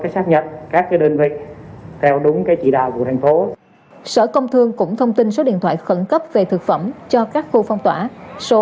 sở công thương cũng thông tin số điện thoại khẩn cấp về thực phẩm cho các khu phong tỏa số chín trăm sáu mươi ba tám trăm bảy mươi năm mươi tám